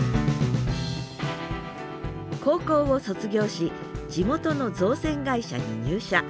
高校を卒業し地元の造船会社に入社。